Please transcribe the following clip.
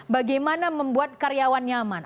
bagaimana membuat karyawan nyaman